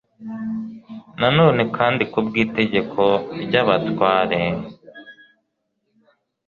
nanone kandi ku bw'itegeko ry'abatware